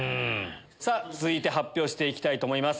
続いて発表していきたいと思います。